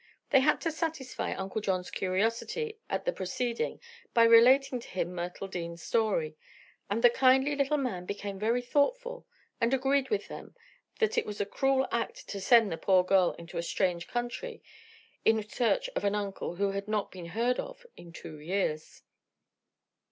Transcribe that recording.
They had to satisfy Uncle John's curiosity at this proceeding by relating to him Myrtle Dean's story, and the kindly little man became very thoughtful and agreed with them that it was a cruel act to send the poor girl into a strange country in search of an uncle who had not been heard of in two years.